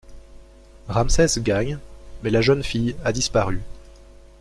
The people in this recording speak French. Ramsès gagne, mais la jeune fille a disparu.